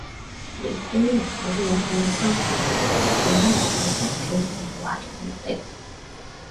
年輕人好有愛心，養人哋屋企不遺餘力